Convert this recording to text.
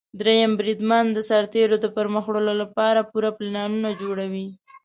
دریم بریدمن د سرتیرو د پرمخ وړلو لپاره پوره پلانونه جوړوي.